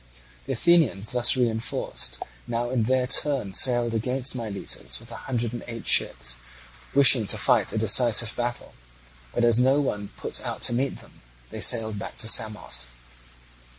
The Athenians, thus reinforced, now in their turn sailed against Miletus with a hundred and eight ships, wishing to fight a decisive battle, but, as no one put out to meet them, sailed back to Samos.